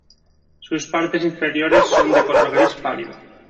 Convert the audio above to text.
Sus partes inferiores son de color gris pálido.